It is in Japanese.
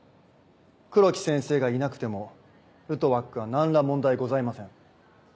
黒木先生がいなくてもルトワックは何ら問題ございません。